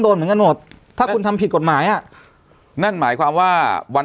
โดนเหมือนกันหมดถ้าคุณทำผิดกฎหมายอ่ะนั่นหมายความว่าวัน